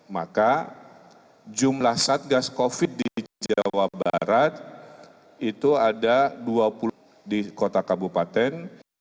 maka jumlah satgas covid di jawa barat itu ada dua puluh di kota kabupaten